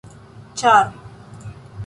ĉar